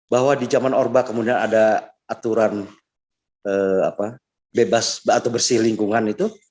bahwa di zaman orba kemudian ada aturan bebas atau bersih lingkungan itu